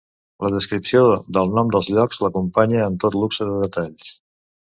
La descripció del nom dels llocs l'acompanya amb tot luxe de detalls.